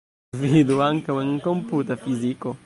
Vidu ankaŭ en komputa fiziko.